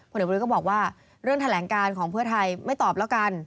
เด็กบริษก็บอกว่าเรื่องแถลงการของเพื่อไทยไม่ตอบแล้วกัน